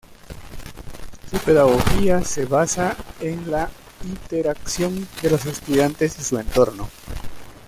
Su pedagogía se basa en la interacción de los estudiantes y su entorno.